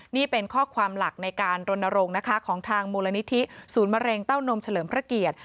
นี่เป็นข้อความหลักในการรณรงค์นะคะของทางมูลนิธิศูนย์มะเร็งเต้านมเฉลิมพระเกียรติ